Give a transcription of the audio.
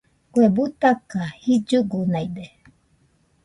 Kue butaka, jillugunaide.